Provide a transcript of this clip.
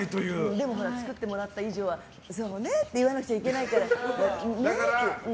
でも作ってもらった以上はそうねって言わなくちゃいけないから。